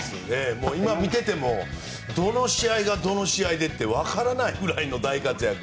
今見ていてもどの試合がどの試合でってわからないぐらいの大活躍。